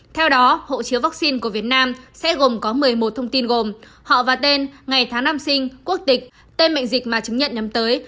theo đó hộ chiếu vaccine của việt nam sẽ gồm có một mươi một thông tin gồm họ và tên ngày tháng năm sinh quốc tịch tên mệnh dịch mà chứng nhận nhắm tới